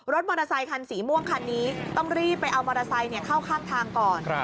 มอเตอร์ไซคันสีม่วงคันนี้ต้องรีบไปเอามอเตอร์ไซค์เข้าข้างทางก่อน